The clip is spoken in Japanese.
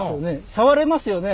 触れますよね？